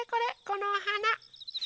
このおはな。